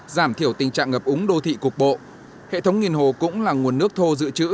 giảm thiểu tình trạng ngập úng đô thị cục bộ hệ thống nghìn hồ cũng là nguồn nước thô dự trữ